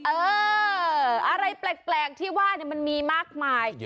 เอออะไรแปลกที่ว่ามันมีมากมาย